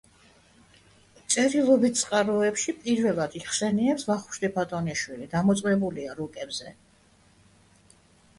წერილობით წყაროებში პირველად იხსენიებს ვახუშტი ბატონიშვილი, დამოწმებულია რუკებზე.